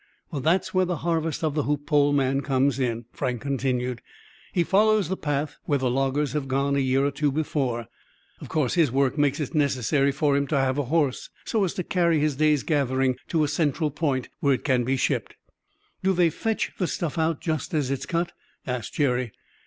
"Well, that's where the harvest of the hoop pole man comes in," Frank continued. "He follows the path where the loggers have gone a year or two before. Of course, his work makes it necessary for him to have a horse, so as to carry his day's gathering to a central point, where it can be shipped." "Do they fetch the stuff out just as it's cut?" asked Jerry.